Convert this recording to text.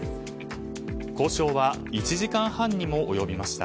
交渉は、１時間半にも及びました。